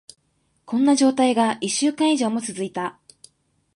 こんな状態が一週間以上も続いた。